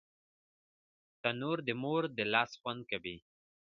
تنور د مور د لاس خوند ورکوي